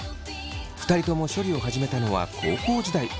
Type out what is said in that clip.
２人とも処理を始めたのは高校時代。